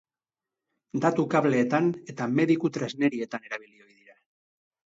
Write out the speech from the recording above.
Datu-kableetan eta mediku-tresnerietan erabili ohi dira.